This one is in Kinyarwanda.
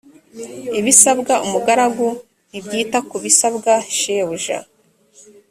ibisabwa umugaragu ntibyita kubisabwa shebuja